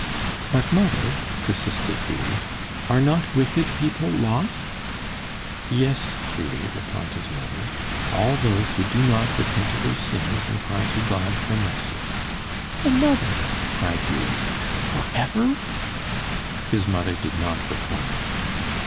"But, mother," persisted Hughie, "are not wicked people lost?" "Yes, Hughie," replied his mother, "all those who do not repent of their sins and cry to God for mercy." "Oh, mother," cried Hughie, "forever?" His mother did not reply.